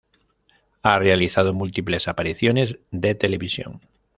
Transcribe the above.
Ha realizado múltiples apariciones de televisión;.